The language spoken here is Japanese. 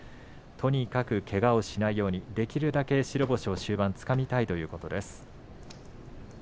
とにかく、けがをしないようにできるだけ白星を終盤つかみたいと話していました。